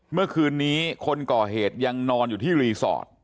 เมื่อคืนนี้คนก่อเหตุยังนอนอยู่ที่รีสอร์ท